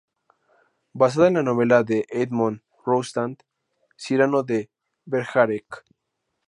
Basada en la novela de Edmond Rostand, Cyrano de Bergerac.